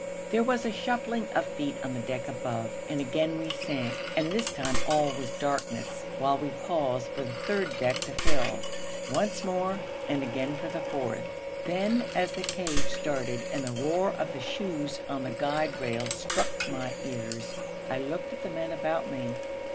There was a shuffling of feet on the deck above, and again we sank, and this time all was darkness, while we paused for the third deck to fill. Once more and again for the fourth. Then, as the cage started and the roar of the shoes on the guide rails struck my ears, I looked at the men about me.